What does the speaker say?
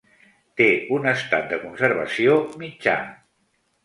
Té un estat de conservació mitjà.